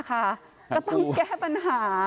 ก็ต้องแก้ปัญหา